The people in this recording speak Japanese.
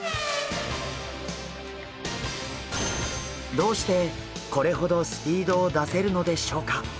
どうしてこれほどスピードを出せるのでしょうか。